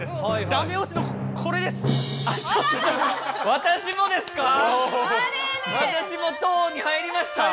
私も党に入りました？